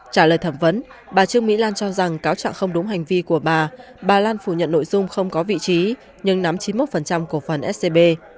trả lời thẩm vấn bà trương mỹ lan cho rằng cáo trạng không đúng hành vi của bà bà lan phủ nhận nội dung không có vị trí nhưng nắm chín mươi một cổ phần scb